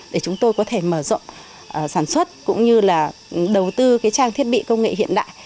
để chúng tôi có thể mở rộng sản xuất cũng như là đầu tư trang thiết bị công nghệ hiện đại